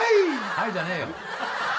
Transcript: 「はい」じゃねえよ。